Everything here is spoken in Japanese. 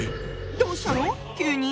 どうしたの⁉急に。